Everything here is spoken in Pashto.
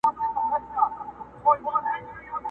زما پر ښکلي اشنا وایه سلامونه٫